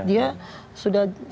dia sudah lewat satu mil